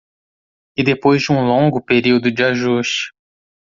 E depois de um longo período de ajuste